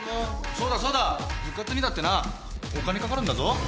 そうだそうだ部活にだってなお金掛かるんだぞ。